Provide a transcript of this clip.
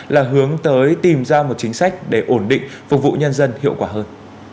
là hướng tới tìm ra một chính sách để ổn định phục vụ nhân dân hiệu quả hơn